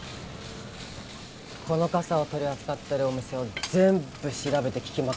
この傘を取り扱ってるお店を全部調べて聞きまくった。